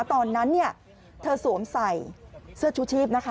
ตอนนั้นเนี่ยเธอสวมใส่เสื้อชูชีพนะคะ